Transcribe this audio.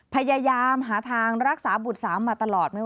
พยายามหาทางรักษาบุตรสาวมาตลอด